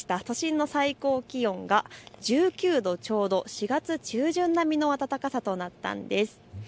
都心の最高気温が１９度ちょうど、４月中旬並みの暖かさとなったんです。